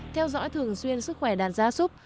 theo dõi thường xuyên sức khỏe đàn gia súc